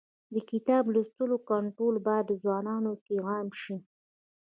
د کتاب لوستلو کلتور باید په ځوانانو کې عام شي.